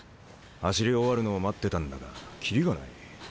走り終わるのを待ってたんだが切りがないね。